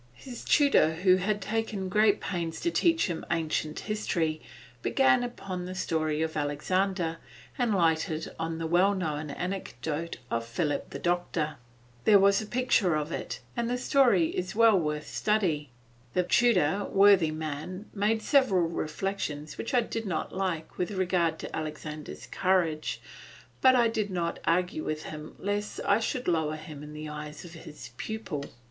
His tutor, who had taken great pains to teach him ancient history, began upon the story of Alexander and lighted on the well known anecdote of Philip the Doctor. There is a picture of it, and the story is well worth study. The tutor, worthy man, made several reflections which I did not like with regard to Alexander's courage, but I did not argue with him lest I should lower him in the eyes of his pupil.